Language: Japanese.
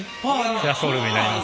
こちらショールームになります。